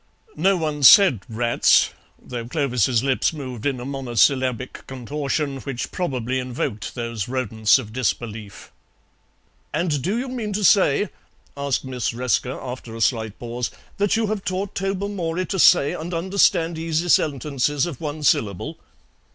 No one said "Rats," though Clovis's lips moved in a monosyllabic contortion which probably invoked those rodents of disbelief. "And do you mean to say," asked Miss Resker, after a slight pause, "that you have taught Tobermory to say and understand easy sentences of one syllable?"